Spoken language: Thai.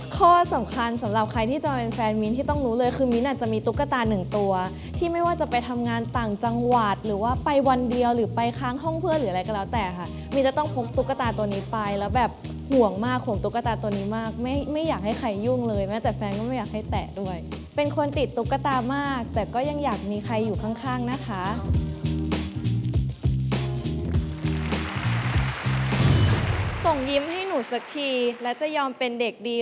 สำหรับใครที่จะเป็นแฟนมิ้นที่ต้องรู้เลยคือมิ้นอาจจะมีตุ๊กตาหนึ่งตัวที่ไม่ว่าจะไปทำงานต่างจังหวัดหรือว่าไปวันเดียวหรือไปค้างห้องเพื่อนหรืออะไรก็แล้วแต่ค่ะมิ้นจะต้องพกตุ๊กตาตัวนี้ไปแล้วแบบห่วงมากห่วงตุ๊กตาตัวนี้มากไม่ไม่อยากให้ใครยุ่งเลยแม้แต่แฟนก็ไม่อยากให้แตะด้วยเป็นคนติดตุ๊กตามากแต่ก็ยังอยากมีใครอยู่ข้างนะคะ